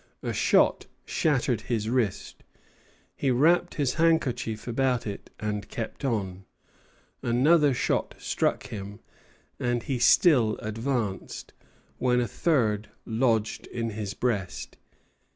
A shot shattered his wrist. He wrapped his handkerchief about it and kept on. Another shot struck him, and he still advanced, when a third lodged in his breast.